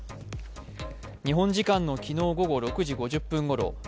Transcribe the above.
日本時間の昨日午後６時５０分ごろ